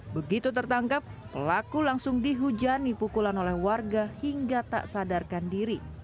begitu tertangkap pelaku langsung dihujani pukulan oleh warga hingga tak sadarkan diri